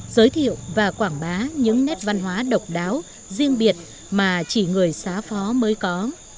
giới thiệu và quảng bá những nét văn hóa độc đáo riêng biệt mà chỉ người xá phó mới có